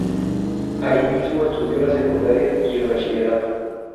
Ahí mismo estudió la secundaria y el bachillerato.